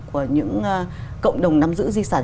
của những cộng đồng nắm giữ di sản